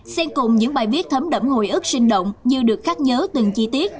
xem cùng những bài viết thấm đẫm hồi ức sinh động như được khắc nhớ từng chi tiết